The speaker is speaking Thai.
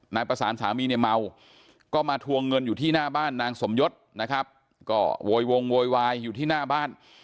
นายประสานสามีเนี่ยเมาก็มาทวงเงินอยู่ที่หน้าบ้านนางสมยศนะครับก็โวยวงโวยวายอยู่ที่หน้าบ้าน